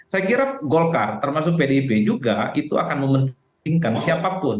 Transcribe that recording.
saya kira golkar termasuk pdip juga itu akan mementingkan siapapun